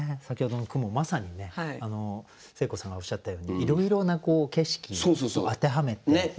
先ほどの句もまさにねせいこうさんがおっしゃったようにいろいろな景色を当てはめて。ね？